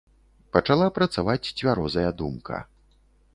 Пачала працаваць цвярозая думка.